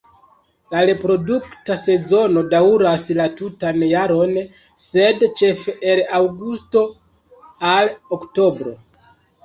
La reprodukta sezono daŭras la tutan jaron sed ĉefe el aŭgusto al oktobro.